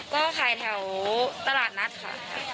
ก็ขายแถวตลาดนัดค่ะ